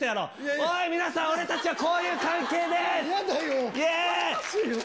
おい、皆さん、俺たちはこういう関係です。